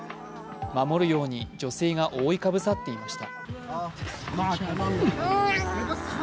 守るように女性が覆いかぶさっていました。